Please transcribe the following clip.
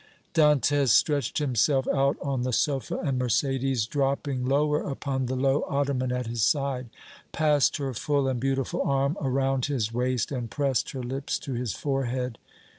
Dantès stretched himself out on the sofa, and Mercédès, dropping lower upon the low ottoman at his side, passed her full and beautiful arm around his waist and pressed her lips to his forehead.